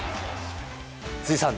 辻さん